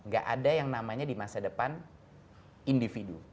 gak ada yang namanya di masa depan individu